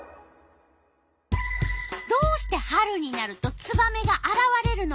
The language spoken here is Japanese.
どうして春になるとツバメがあらわれるのか。